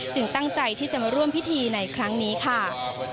ตั้งใจที่จะมาร่วมพิธีในครั้งนี้ค่ะ